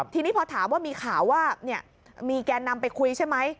ทีนี้พอถามว่ามีข่าวว่ามีแกนนำไปคุยใช่ไหม